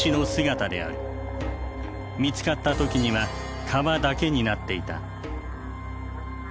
見つかった時には皮だけになっていた。